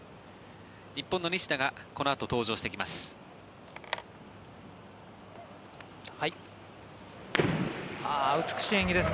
日本の西田がこのあと登場してきます。